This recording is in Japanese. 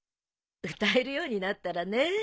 歌えるようになったらね。